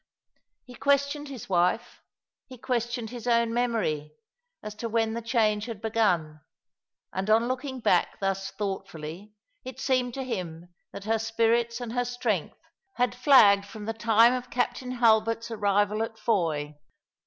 He questioned his wife, he questioned his own memory, as to when the change had begun, and on looking back thus thoughtfully it seemed to him that her spirits and her strength had flagged from the time of Captain Hulbert's arrival at Fowey.